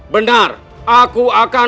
benar aku akan